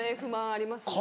ありますね。